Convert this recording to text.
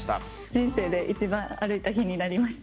人生で一番歩いた日になりました。